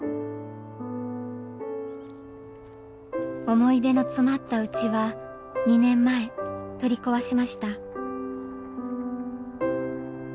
思い出の詰まった家は２年前取り壊しました。